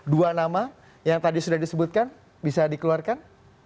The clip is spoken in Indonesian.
dua nama yang tadi sudah disebutkan bisa dikeluarkan